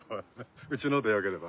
うちのでよければ。